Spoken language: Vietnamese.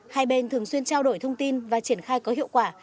hai bên thường xuyên trao đổi thông tin và triển khai có hiệu quả